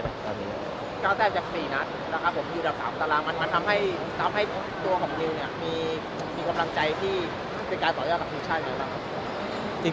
ก้าวแต้งจาก๔นัดอยู่ดับ๓ตารางมันทำให้ตัวของวิวมีกำลังใจที่เป็นการสอดยอดกับทีมชาติไหมครับ